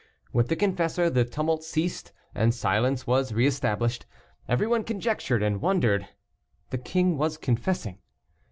With the confessor, the tumult ceased, and silence was reestablished; everyone conjectured and wondered the king was confessing.